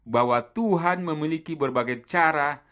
bahwa tuhan memiliki berbagai cara